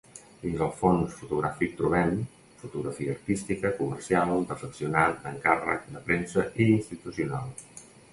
Dins el fons fotogràfic trobem; fotografia artística, comercial, d'afeccionat, d'encàrrec, de premsa i institucional.